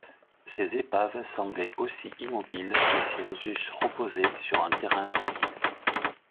Ces épaves semblaient aussi immobiles que si elles eussent reposé sur un terrain solide.